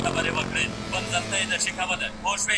آیا مورنۍ ژبه تر بهرنۍ ژبي خوږه ده؟